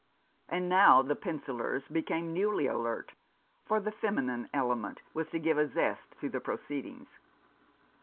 And now the pencillers became newly alert ; for the feminine element was to give a zest to the pro ceedings.